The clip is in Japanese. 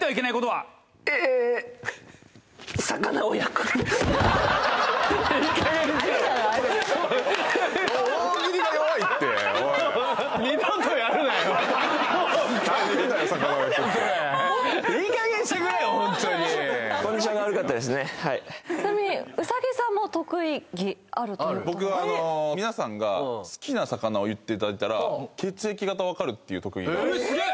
はいちなみに僕は皆さんが好きな魚を言っていただいたら血液型分かるっていう特技がえっすげえ！